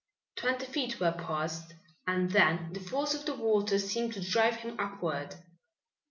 Twenty feet were passed and then the force of the water seemed to drive him upward.